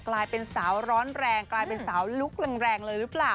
กลายเป็นสาวร้อนแรงกลายเป็นสาวลุกแรงเลยหรือเปล่า